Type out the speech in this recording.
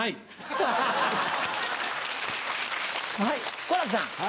はい。